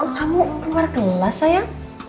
kamu keluar kelas sayang